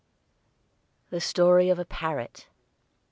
] THE STORY OF A PARROT.